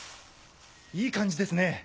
いい感じですね。